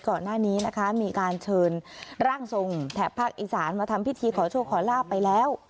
ก่อนหน้านี้นะคะมีการเชิญร่างทรงแถบภาคอีสานมาทำพิธีขอโชคขอลาบไปแล้ว